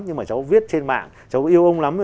nhưng mà cháu viết trên mạng cháu yêu ông lắm ấy